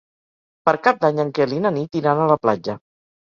Per Cap d'Any en Quel i na Nit iran a la platja.